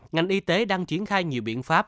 ngành y tế đang triển khai nhiều biện pháp